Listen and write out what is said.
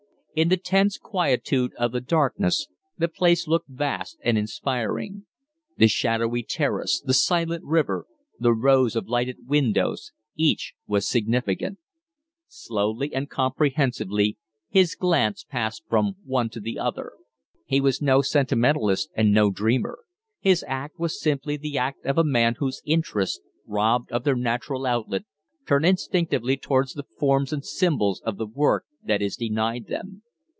In the tense quietude of the darkness the place looked vast and inspiring. The shadowy Terrace, the silent river, the rows of lighted windows, each was significant. Slowly and comprehensively his glance passed from one to the other. He was no sentimentalist and no dreamer; his act was simply the act of a man whose interests, robbed of their natural outlet, turn instinctively towards the forms and symbols of the work that is denied them.